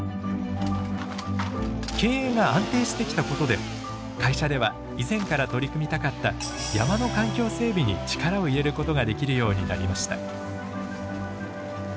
経営が安定してきたことで会社では以前から取り組みたかった山の環境整備に力を入れることができるようになりました。